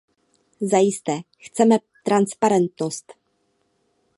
Zajisté chceme transparentnost.